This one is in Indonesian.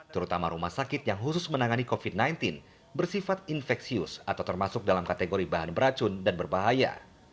terutama rumah sakit yang khusus menangani covid sembilan belas bersifat infeksius atau termasuk dalam kategori bahan beracun dan berbahaya